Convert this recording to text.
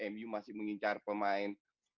mu masih mengincar pemain